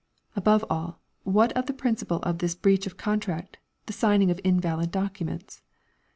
Above all, what of the principle of this breach of contract, the signing of invalid documents?